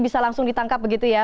bisa langsung ditangkap begitu ya